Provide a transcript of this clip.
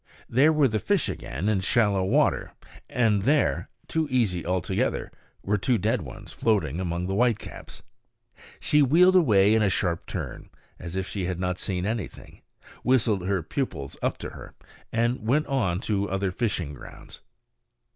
There were the fish again, in shallow water; and there too easy altogether! were two dead ones floating among the whitecaps. She wheeled away in a sharp turn, as if she had not seen anything, whistled her pupils up to her, and went on to other fishing grounds.